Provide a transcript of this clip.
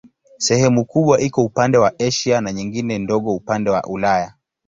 Sehemu kubwa iko upande wa Asia na nyingine ndogo upande wa Ulaya.